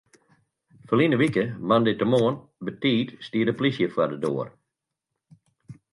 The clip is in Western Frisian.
Ferline wike moandeitemoarn betiid stie de polysje foar de doar.